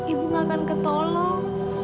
ibu gak akan ketolong